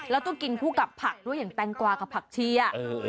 แล้วต้องกินคู่กับผักด้วยอย่างแตงกวากับผักเชีย